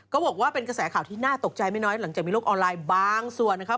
ก็บอกว่าเป็นกระแสข่าวที่น่าตกใจไม่น้อยหลังจากมีโลกออนไลน์บางส่วนนะครับ